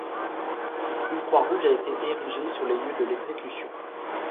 Une croix rouge a été érigée sur les lieux de l'exécution.